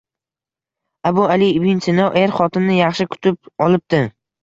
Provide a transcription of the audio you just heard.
Abu Ali ibn Sino er-xotinni yaxshi kutib olibdi